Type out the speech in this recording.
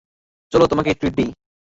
চলো তোমাকে ট্রিট দেই।